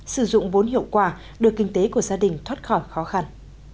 sử dụng vốn hiệu quả đưa kinh tế của gia đình thoát khỏi khó khăn